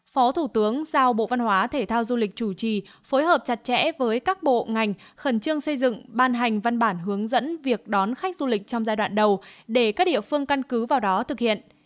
phó thủ tướng giao bộ văn hóa thể thao du lịch chủ trì phối hợp chặt chẽ với các bộ ngành khẩn trương xây dựng ban hành văn bản hướng dẫn việc đón khách du lịch trong giai đoạn đầu để các địa phương căn cứ vào đó thực hiện